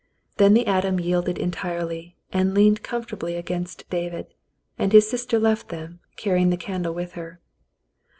Then the atom yielded entirely, and leaned com fortably against David, and his sister left them, carrying the candle with her.